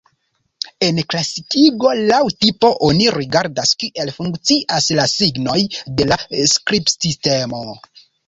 En klasigo laŭ tipo oni rigardas, kiel funkcias la signoj de la skribsistemo.